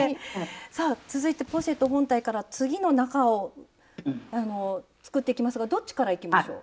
さあ続いてポシェット本体から次の中を作っていきますがどっちからいきましょう？